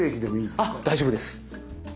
あ大丈夫です。